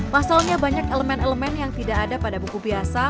pasalnya banyak elemen elemen yang tidak ada pada buku biasa